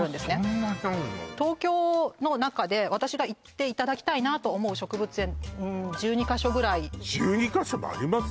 そんなにあるの東京の中で私が行っていただきたいなと思う植物園１２か所ぐらい１２か所もあります！？